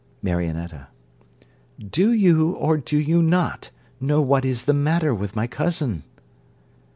MARIONETTA Do you, or do you not, know what is the matter with my cousin?